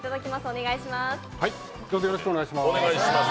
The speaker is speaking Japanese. お願いします。